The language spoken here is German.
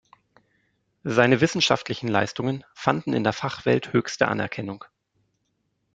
Seine wissenschaftlichen Leistungen fanden in der Fachwelt höchste Anerkennung.